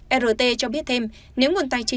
ert cho biết thêm nếu nguồn tài trợ không được đạt